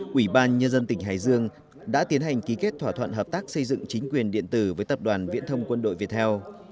quỹ ban nhân dân tỉnh hải dương đã tiến hành ký kết thỏa thuận hợp tác xây dựng chính quyền điện tử với tập đoàn viễn thông quân đội việt theo